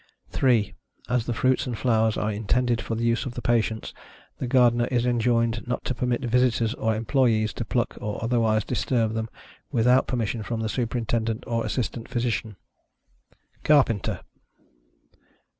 3. As the fruits and flowers are intended for the use of the patients, the Gardener is enjoined not to permit visitors or employees to pluck, or otherwise disturb them, without permission from the Superintendent or Assistant Physician. CARPENTER.